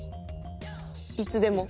いつでも？